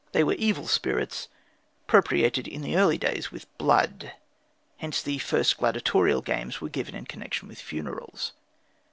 They were evil spirits, propitiated in early days with blood. Hence the first gladiatorial games were given in connection with funerals.